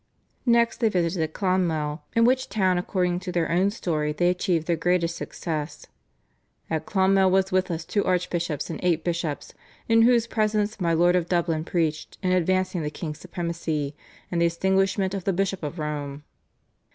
Next they visited Clonmel, in which town according to their own story they achieved their greatest success. "At Clonmel was with us two archbishops and eight bishops, in whose presence my Lord of Dublin preached in advancing the King's Supremacy, and the extinguishment of the Bishop of Rome.